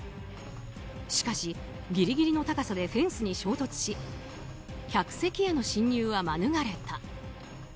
しかし、ギリギリの高さでフェンスに衝突し客席への進入は免れた。